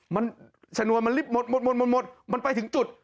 มันชนวนมันลิฟต์หมดมันไปถึงจุด